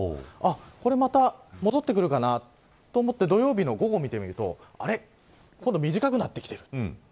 これまた戻ってくるかなと思って土曜日の午後見てみると今度は短くなってきている。